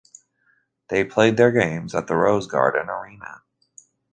They played their games at the Rose Garden Arena.